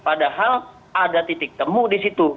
padahal ada titik temu di situ